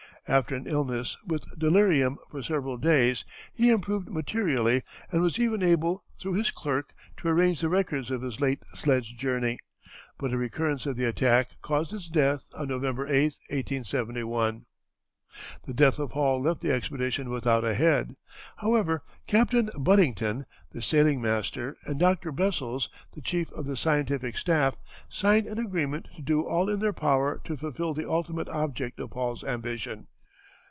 After an illness, with delirium, for several days, he improved materially, and was even able, through his clerk, to arrange the records of his late sledge journey, but a recurrence of the attack caused his death, on November 8, 1871. The death of Hall left the expedition without a head. However, Captain Buddington, the sailing master, and Dr. Bessels, the chief of the scientific staff, signed an agreement to do all in their power to fulfil the ultimate object of Hall's ambition.